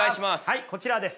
はいこちらです。